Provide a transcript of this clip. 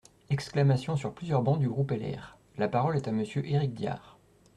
(Exclamations sur plusieurs bancs du groupe LR.) La parole est à Monsieur Éric Diard.